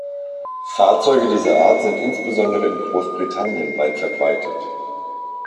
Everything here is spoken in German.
Fahrzeuge dieser Art sind insbesondere in Großbritannien weit verbreitet.